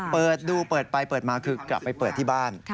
เปิดดูเปิดไปเปิดมาคือกลับไปเปิดที่บ้าน